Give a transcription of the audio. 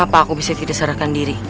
bagaimana aku bisa tidak sadarkan diri